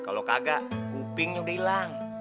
kalau kagak kupingnya udah hilang